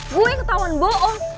gue ketahuan bohong